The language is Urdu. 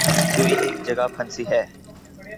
سوئی ایک جگہ پھنسی ہے۔